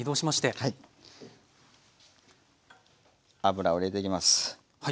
油を入れていきます。